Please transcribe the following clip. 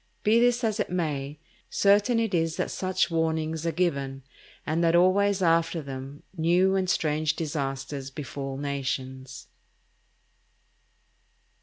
Be this as it may, certain it is that such warnings are given, and that always after them new and strange disasters befall nations.